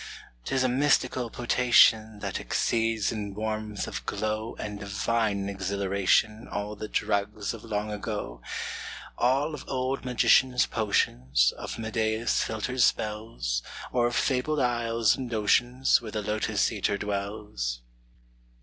'Tis a mystical potation That exceeds in warmth of glow And divine exhilaration All the drugs of long ago All of old magicians' potions Of Medea's filtered spells Or of fabled isles and oceans Where the Lotos eater dwells!